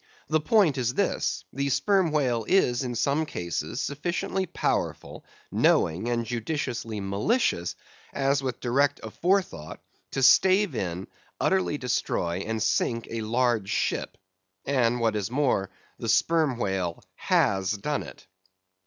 That point is this: The Sperm Whale is in some cases sufficiently powerful, knowing, and judiciously malicious, as with direct aforethought to stave in, utterly destroy, and sink a large ship; and what is more, the Sperm Whale has done it.